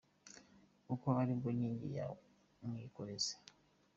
Kuko ari bwo nkingi ya mwikorezi,